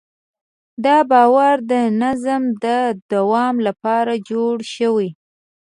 دا باور د نظم د دوام لپاره جوړ شوی.